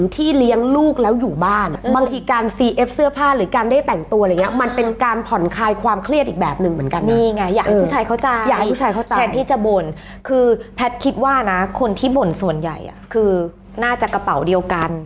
แทนที่จะบ่นคือแพทย์คิดว่านะคนที่บ่นส่วนใหญ่คือน่าจะกระเป๋าเดียวกัน